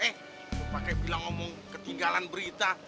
eh lu pakai bilang omong ketinggalan berita